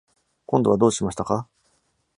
今度はどうしましたか？